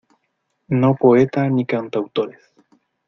no poeta ni cantautores.